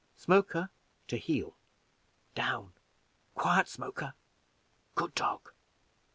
Smoker, to heel! down quiet, Smoker! good dog!"